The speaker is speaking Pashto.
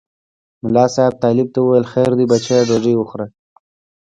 ملا صاحب طالب ته وویل خیر دی بچیه ډوډۍ وخوره.